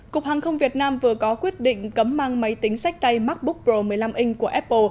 cục hàng không việt nam vừa có quyết định cấm mang máy tính sách tay macbook pro một mươi năm inch của apple